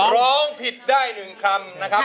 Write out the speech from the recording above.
ร้องผิดได้๑คำนะครับ